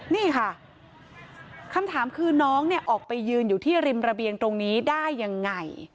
นี่ค่ะคำถามคือน้องเนี่ยออกไปยืนอยู่ที่ริมระเบียงตรงนี้ได้ยังไง